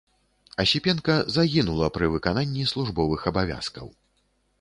Асіпенка загінула пры выкананні службовых абавязкаў.